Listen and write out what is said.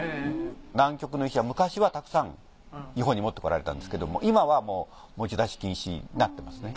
南極の石は昔はたくさん日本に持ってこられたんですけども今はもう持ち出し禁止になってますね。